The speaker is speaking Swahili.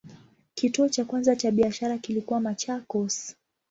Kituo cha kwanza cha biashara kilikuwa Machakos.